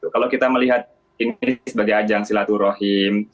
kalau kita melihat ini sebagai ajang silaturahim